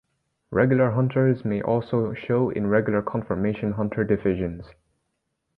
Regular Hunters may also show in Regular Conformation Hunter divisions.